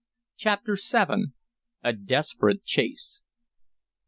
CHAPTER VII. A DESPERATE CHASE.